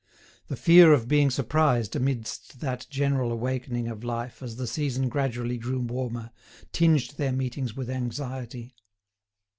The fear of being surprised amidst that general awakening of life as the season gradually grew warmer, tinged their meetings with anxiety.